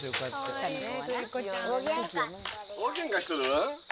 大げんかしとる？